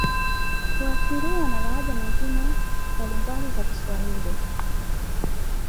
kuathiriwa na lahaja nyingine mbalimbali za Kiswahili